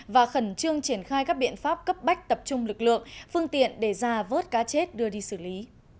và khẩn trương triển khai các biện pháp cấp bách tập trung lực lượng phương tiện để ra vớt cá chết đưa đi xử lý